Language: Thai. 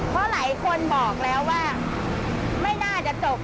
เพราะหลายคนบอกแล้วว่าไม่น่าจะจบ